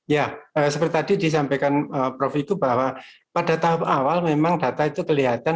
ya seperti tadi disampaikan prof itu bahwa pada tahap awal memang data itu kelihatan